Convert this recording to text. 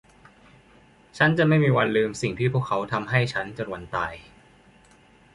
ฉันจะไม่มีวันลืมสิ่งที่พวกเขาทำให้ฉันจนวันตาย